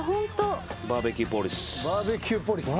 バーベキューポリス。